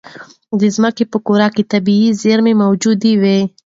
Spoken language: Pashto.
د ځمکې په کوره کې طبیعي زېرمې موجودې وي.